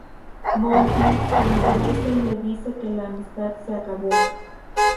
Monty se enfurece y le dice que la amistad se acabó.